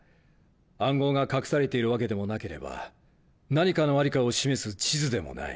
暗号が隠されているわけでもなければ何かの在りかを示す地図でもない。